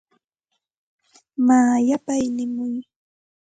Maa yapay nimuy.